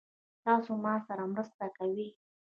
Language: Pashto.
تاسو ما سره مرسته کوئ؟